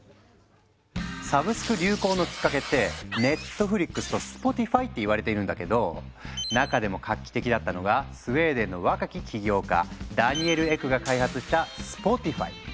サブスク流行のきっかけって「ＮＥＴＦＬＩＸ」と「Ｓｐｏｔｉｆｙ」って言われているんだけど中でも画期的だったのがスウェーデンの若き起業家ダニエル・エクが開発した「スポティファイ」。